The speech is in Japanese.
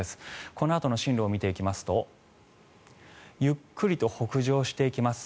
このあとの進路を見ていきますとゆっくりと北上していきます。